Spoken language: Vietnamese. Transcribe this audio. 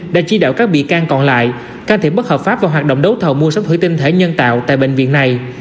dạo các bị can còn lại can thiệp bất hợp pháp và hoạt động đấu thầu mua sắm thủy tinh thể nhân tạo tại bệnh viện này